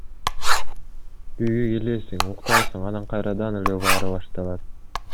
Үйгө келесиң, уктайсың анан кайрадан эле баары башталат.